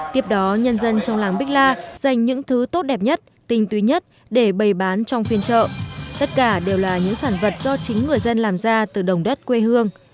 tiếp đó nhân dân trong làng bích la dành những thứ tốt đẹp nhất tinh túy nhất để bày bán trong phiên chợ tất cả đều là những sản vật do chính người dân làm ra từ đồng đất quê hương